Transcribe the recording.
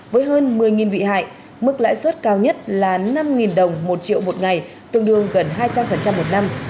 với hơn một mươi bị hại mức lãi suất cao nhất là năm đồng một triệu một ngày tương đương gần hai trăm linh một năm